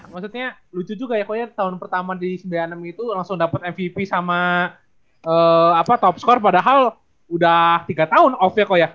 maksudnya lucu juga ya ko ya tahun pertama di sembilan puluh enam itu langsung dapat mvp sama top score padahal udah tiga tahun off nya ko ya